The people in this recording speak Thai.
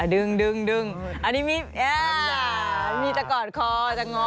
ดึงอันนี้มีมีจะกอดคอจะง้อ